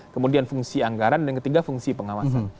kemudian fungsi anggaran dan ketiga fungsi pengawasan